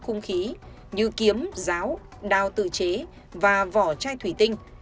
những khu vực như kiếm giáo đào tự chế và vỏ chai thủy tinh